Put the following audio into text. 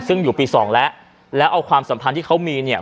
ซึ่งอยู่ปีสองแล้วแล้วเอาความสัมพันธ์ที่เขามีเนี่ย